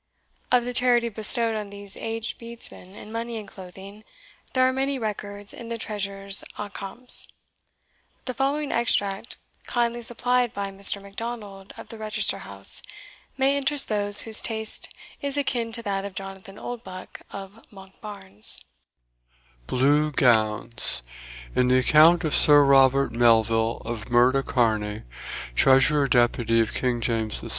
Of the charity bestowed on these aged Bedesmen in money and clothing, there are many records in the Treasurer's accompts. The following extract, kindly supplied by Mr. Macdonald of the Register House, may interest those whose taste is akin to that of Jonathan Oldbuck of Monkbarns. BLEW GOWNIS. In the Account of Sir Robert Melvill of Murdocarney, Treasurer Depute of King James VI.